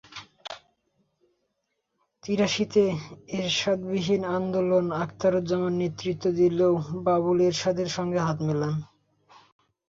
তিরাশিতে এরশাদবিরোধী আন্দোলনে আখতারুজ্জামান নেতৃত্ব দিলেও বাবলু এরশাদের সঙ্গে হাত মেলান।